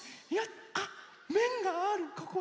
あっめんがあるここに。